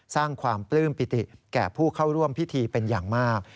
สร้างความปลื้มปิติแก่ผู้เข้าร่วมพิธีเป็นอย่างมาก